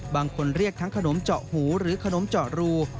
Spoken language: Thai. บางคนเรียกทั้งขนมเจาะหูหรือขนมเจาะรู